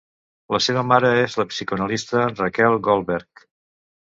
La seva mare és la psicoanalista Raquel Goldberg.